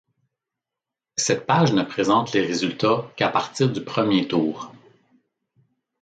Cette page ne présente les résultats qu'à partir du premier tour.